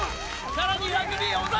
さらにラグビー尾！